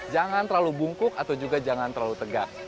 jangan terlalu bungkuk atau juga jangan terlalu tegak